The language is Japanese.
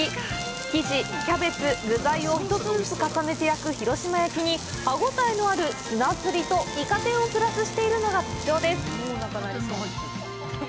生地、キャベツ、具材を１つずつ重ねて焼く広島焼きに歯応えのある砂ずりとイカ天をプラスしているのが特徴です。